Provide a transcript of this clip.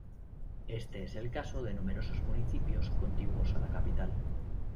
Este es el caso de numerosos municipios contiguos a la capital.